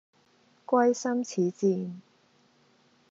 歸心似箭